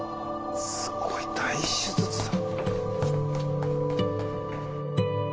すごい大手術だ。